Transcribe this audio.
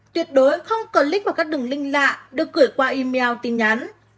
tuyệt đối không click vào các đường link lạ được gửi qua email tin nhắn